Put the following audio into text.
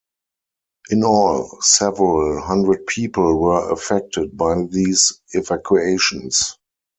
In all, several hundred people were affected by these evacuations.